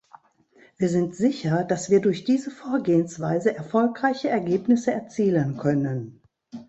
Wir sind sicher, dass wir durch diese Vorgehensweise erfolgreiche Ergebnisse erzielen können.